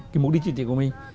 cái mục đích chính trị của mình